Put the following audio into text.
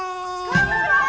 こんにちは！